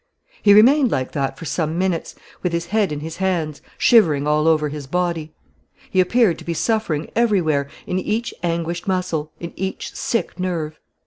He remained like that for some minutes, with his head in his hands, shivering all over his body. He appeared to be suffering everywhere, in each anguished muscle, in each sick nerve.